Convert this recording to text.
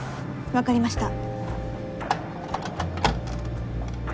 わかりました。